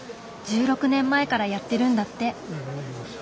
１６年前からやってるんだって。